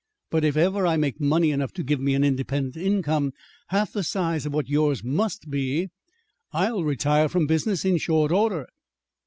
But if ever I make money enough to give me an independent income half the size of what yours must be, I'll retire from business in short order."